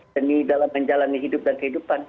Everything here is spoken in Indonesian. demi dalam menjalani hidup dan kehidupan